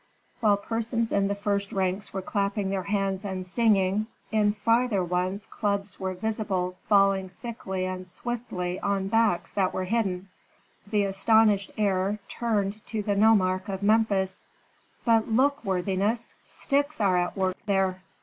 While persons in the first ranks were clapping their hands and singing, in farther ones clubs were visible falling thickly and swiftly on backs that were hidden. The astonished heir turned to the nomarch of Memphis. "But look, worthiness, sticks are at work there."